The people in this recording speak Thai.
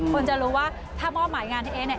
คุณจะรู้ว่าถ้ามอบหมายงานพี่เอ๊เนี่ย